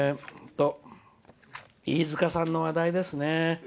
飯塚さんの話題ですね。